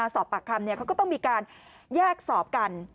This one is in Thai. สอบปากคำเขาก็ต้องมีการแยกสอบกัน